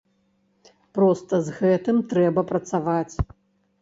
Проста з гэтым трэба працаваць.